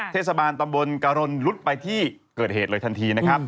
เทศบาลตำบลกะรนรุดไปที่เกิดเหตุเลยทันทีนะครับ